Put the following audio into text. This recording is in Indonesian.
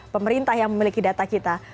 pemerintah yang memiliki data kita